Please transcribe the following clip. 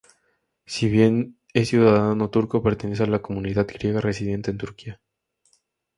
Si bien es ciudadano turco pertenece a la comunidad griega residente en Turquía.